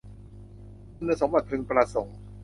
คุณสมบัติพึงประสงค์